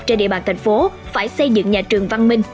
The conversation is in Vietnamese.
trên địa bàn thành phố phải xây dựng nhà trường văn minh